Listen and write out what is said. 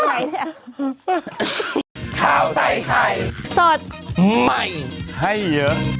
ไม่เอามาจากไหนเนี่ย